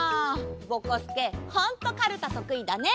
ぼこすけほんとカルタとくいだね！